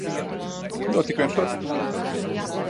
Dod tik vien šurp!